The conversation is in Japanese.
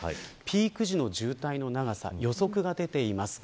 ピーク時の渋滞の長さの予測が出ています。